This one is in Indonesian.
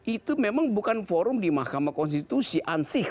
itu memang bukan forum di mahkamah konstitusi ansih